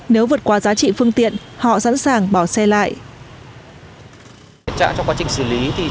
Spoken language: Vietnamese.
nếu vượt qua giá trị phương tiện họ sẵn sàng bỏ xe lại